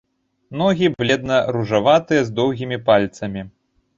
Ногі бледна ружаватыя з доўгімі пальцамі.